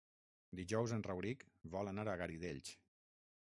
Dijous en Rauric vol anar als Garidells.